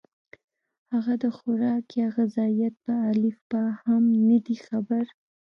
هغه د خوراک يا غذائيت پۀ الف ب هم نۀ دي خبر